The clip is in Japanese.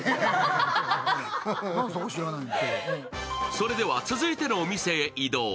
それでは続いてのお店へ移動。